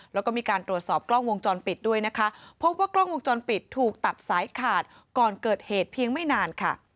แล้วก็มีการตรวจสอบกล้องวงจรปิดด้วยนะคะพบว่ากล้องวงจรปิดถูกตัดสายขาดก่อนเกิดเหตุเพียงไม่นานค่ะ